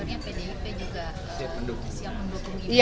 apa kabarnya pdip juga